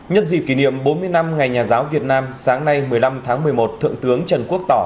nhân dịp kỷ niệm bốn mươi năm ngày nhà giáo việt nam sáng nay một mươi năm tháng một mươi một thượng tướng trần quốc tỏ